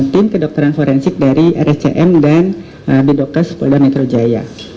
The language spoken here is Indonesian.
tim kedokteran forensik dari rs cm dan bdokes polda metro jaya